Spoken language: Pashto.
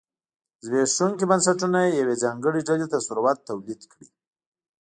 زبېښونکي بنسټونه یوې ځانګړې ډلې ته ثروت تولید کړي.